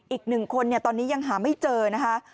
อีก๑คนตอนนี้ยังหาไม่เจอนะคะ